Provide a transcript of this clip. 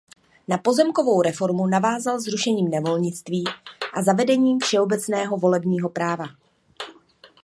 Na pozemkovou reformu navázal zrušením nevolnictví a zavedením všeobecného volebního práva.